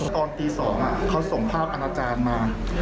ตอนตี๒เขาส่งภาพอาณาจารย์มา